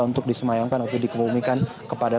untuk disemayamkan atau dikebumikan kepada